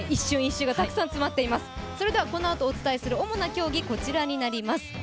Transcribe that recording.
このあとお伝えする主な競技、こちらになります。